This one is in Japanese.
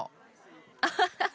アハハッ！